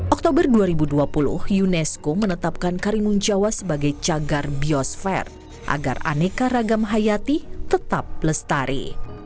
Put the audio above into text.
oktober dua ribu dua puluh unesco menetapkan karimun jawa sebagai cagar biosfer agar aneka ragam hayati tetap lestari